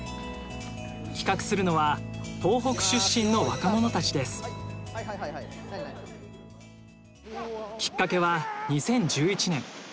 企画するのはきっかけは２０１１年。